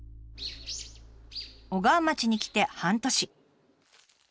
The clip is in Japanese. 小川町に来て半年。